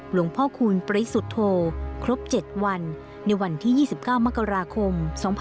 หลวงพ่อคูณปริสุทธโธครบ๗วันในวันที่๒๙มกราคม๒๕๖๒